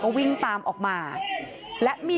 กลุ่มวัยรุ่นฝั่งพระแดง